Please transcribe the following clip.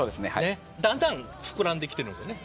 だんだん膨らんできてるんですよね。